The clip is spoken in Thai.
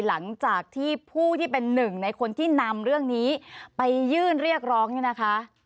หลังจากที่ผู้ที่เป็นหนึ่งในคนที่นำเรื่องนี้ไปยื่นเรียกร้องเนี่ยนะคะ